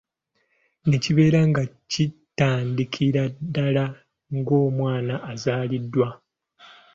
Ne kibeera nga gitandikira ddala ng’omwana azaaliddwa.